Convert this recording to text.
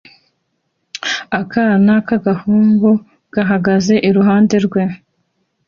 Akana k'agahungu gahagaze iruhande rwe